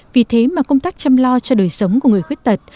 vì thế mà công tác chăm lo cho đời sống của người khuyết tật